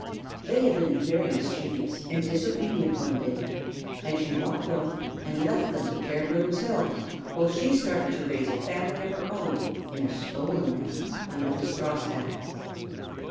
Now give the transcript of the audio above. They had been very mischievous and disobedient one day, and she walked off and left them to care for themselves while she started to raise a family of her own in a stolen nest under the straw stack.